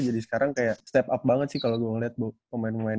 jadi sekarang kayak step up banget sih kalo gue liat pemain pemain